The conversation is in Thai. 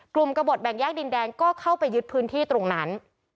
กระบดแบ่งแยกดินแดงก็เข้าไปยึดพื้นที่ตรงนั้น